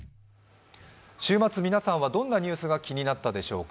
週末、皆さんはどんなニュースが気になったでしょうか。